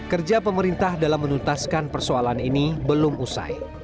kerja pemerintah dalam menuntaskan persoalan ini belum usai